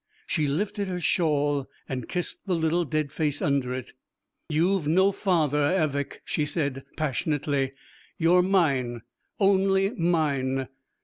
She lifted her shawl and kissed the little dead face under it. 'You've no father, avic,' she said passionately. 'You're mine, only mine.